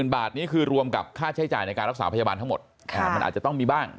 บาทนี้คือรวมกับค่าใช้จ่ายในการรักษาพยาบาลทั้งหมดมันอาจจะต้องมีบ้าง